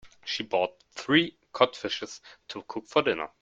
She bought three cod fishes to cook for dinner.